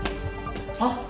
あっ？